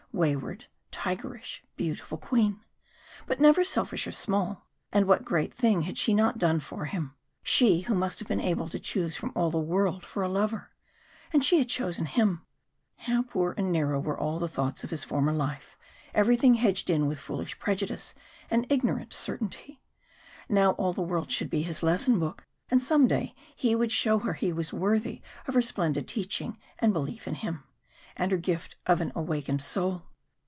Wayward, tigerish, beautiful Queen. But never selfish or small. And what great thing had she not done for him she who must have been able to choose from all the world a lover and she had chosen him. How poor and narrow were all the thoughts of his former life, everywhere hedged in with foolish prejudice and ignorant certainty. Now all the world should be his lesson book, and some day he would show her he was worthy of her splendid teaching and belief in him, and her gift of an awakened soul.